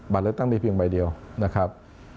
เลือกตั้งมีเพียงใบเดียวนะครับ